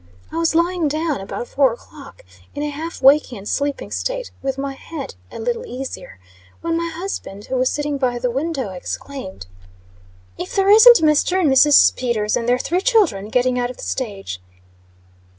I was lying down, about four o'clock, in a half waking and sleeping state, with my head a little easier, when my husband, who was sitting by the window, exclaimed: "If there isn't Mr. and Mrs. Peters and their three children, getting out of the stage!"